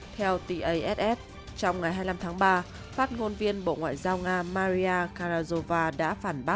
theo tass trong ngày hai mươi năm tháng ba phát ngôn viên bộ ngoại giao nga maria karazhova đã phản bác